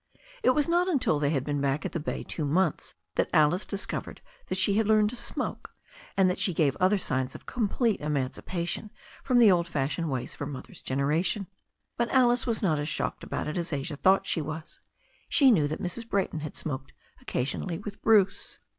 It was not imtil they had been back at the bay two months that Alice discovered that she had learned to smoke, and that she gave other signs of complete emancipation from the old fashioned ways of her mother's generation. But Alice was not as shocked about it as Asia thought she was. She knew that Mrs. Brayton had smoked occasionally with Bruce.